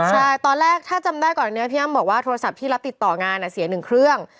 ใช่ตอนแรกถ้าจำได้ก่อนอันนี้พี่อ้ำบอกว่าโทรศัพท์ที่รับติดต่องานเสีย๑เครื่อง